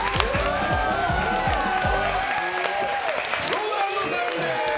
ＲＯＬＡＮＤさんです！